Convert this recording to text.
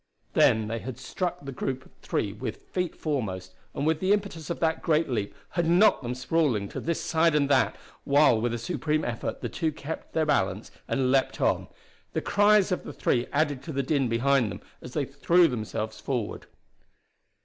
Then they had struck the group of three with feet foremost, and with the impetus of that great leap had knocked them sprawling to this side and that, while with a supreme effort the two kept their balance and leaped on. The cries of the three added to the din behind them as they threw themselves forward.